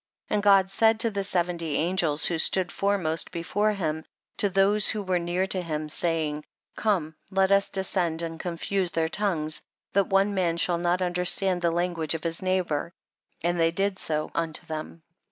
32. And God said to the seventy angels who stood foremost before him, to those who were near to him, saying, come let us descend and con fuse their tongues, that one man shall not understand the language of his neighbor, and they did so unto them.